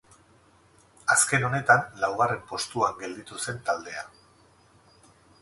Azken honetan laugarren postuan gelditu zen taldea.